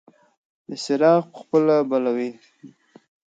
دی څراغ په خپله بلوي.